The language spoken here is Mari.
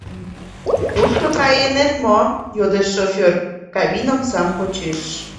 — Кушко кайынет мо? — йодеш шофёр, кабин омсам почеш.